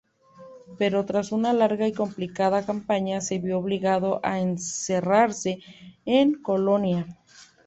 Pero tras una larga y complicada campaña, se vio obligado a encerrarse en Colonia.